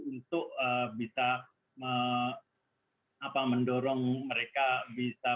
untuk bisa mendorong mereka bisa